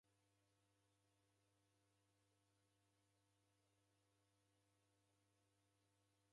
Mbuw'a yeka na midi mrongo iw'i na isanu.